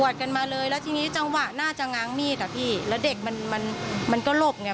กันมาเลยแล้วทีนี้จังหวะน่าจะง้างมีดอ่ะพี่แล้วเด็กมันมันมันก็หลบไง